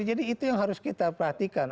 jadi itu yang harus kita perhatikan